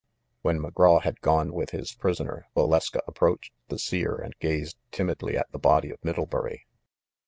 When McGraw had gone with his prisoner, Valeska approached the Seer and gazed timidly at the body of Middlebury.